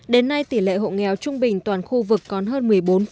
đến nay tỷ lệ hộ nghèo trung bình toàn khu vực còn hơn một mươi bốn